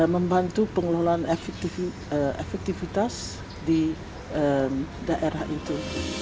membantu pengelolaan efektivitas di daerah itu